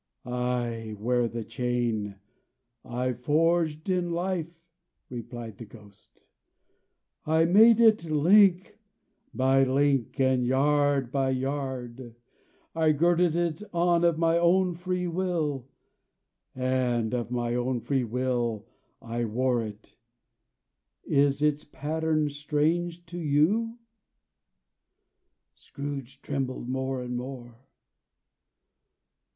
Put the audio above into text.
"I wear the chain I forged in life," replied the Ghost. "I made it link by link, and yard by yard; I girded it on of my own free will, and of my own free will I wore it. Is its pattern strange to you?" Scrooge trembled more and more.